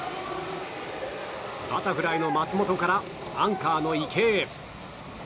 バタフライの松元からアンカーの池江へ。